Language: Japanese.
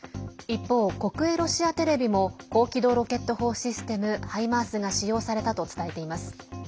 一方、国営ロシアテレビも高機動ロケット砲システム「ハイマース」が使用されたと伝えています。